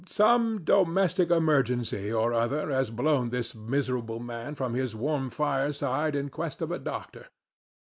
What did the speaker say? Some domestic emergency or other has blown this miserable man from his warm fireside in quest of a doctor.